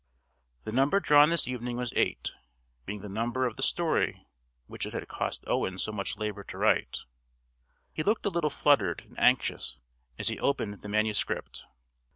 The number drawn this evening was Eight, being the number of the story which it had cost Owen so much labor to write. He looked a little fluttered and anxious as he opened the manuscript.